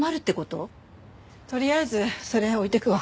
とりあえずそれ置いていくわ。